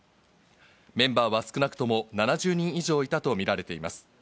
メンバーは少なくとも７０人以上いたとみられています。